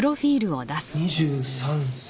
２３歳。